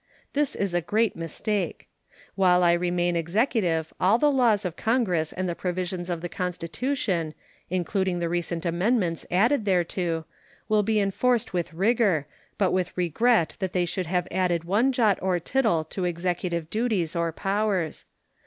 This is a great mistake. While I remain Executive all the laws of Congress and the provisions of the Constitution, including the recent amendments added thereto, will be enforced with rigor, but with regret that they should have added one jot or tittle to Executive duties or powers.